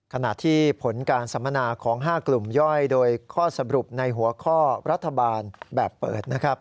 ขณะที่ผลการสัมมนาของ๕กลุ่มย่อยโดยข้อสรุปในหัวข้อรัฐบาลแบบเปิดนะครับ